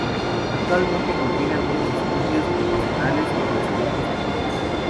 Actualmente contiene algunos estudios profesionales y residencias privadas.